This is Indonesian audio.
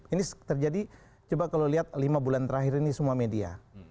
ini terjadi coba kalau lihat lima bulan terakhir ini semua media